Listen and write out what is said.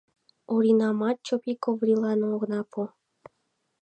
Оринамат Чопой Каврилан огына пу.